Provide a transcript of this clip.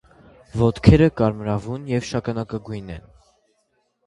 Ոտքերը կարմրավուն և շագանակագույն են։